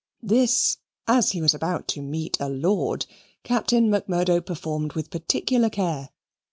This, as he was about to meet a lord, Captain Macmurdo performed with particular care.